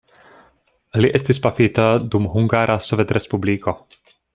Li estis pafita dum Hungara Sovetrespubliko.